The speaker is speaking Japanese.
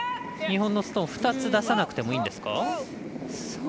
日本のストーン、２つ出さなくてもいいんですか。